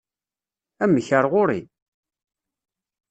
Amek, ar ɣuri?